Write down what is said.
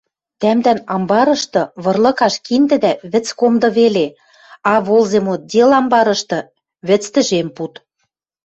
— Тӓмдӓн амбарышты вырлыкаш киндӹдӓ вӹц комды веле, а волземотдел амбарышты — вӹц тӹжем пуд.